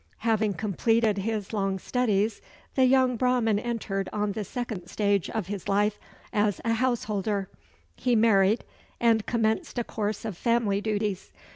Having completed his long studies, the young Brahman entered on the second stage of his life, as a householder. He married, and commenced a course of family duties.